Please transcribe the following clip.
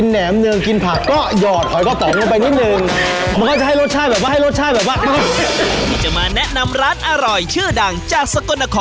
ไม่พี่โอเคทำแหน่มเนืองใช้ผักอีก